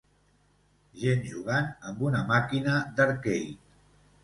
Gent jugant amb una màquina d'arcade.